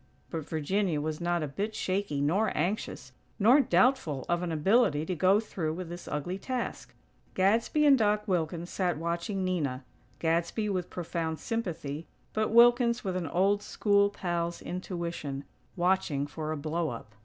But Virginia was not a bit shaky nor anxious, nor doubtful of an ability to go through with this ugly task. Gadsby and Doc Wilkins sat watching Nina; Gadsby with profound sympathy, but Wilkins with an old school pal's intuition, watching for a blow up.